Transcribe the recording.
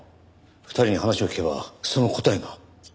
２人に話を聞けばその答えが。